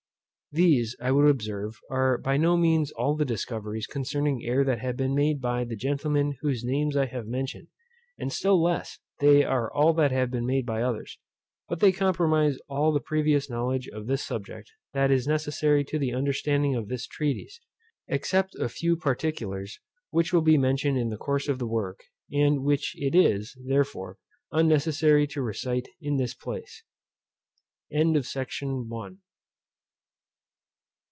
These, I would observe, are by no means all the discoveries concerning air that have been made by the gentlemen whose names I have mentioned, and still less are they all that have been made by others; but they comprise all the previous knowledge of this subject that is necessary to the understanding of this treatise; except a few particulars, which will be mentioned in the course of the work, and which it is, therefore, unnecessary to recite in this place. SECTION II.